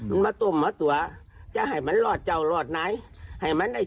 อันนี้รถมันก็จำได้ยายน่ะ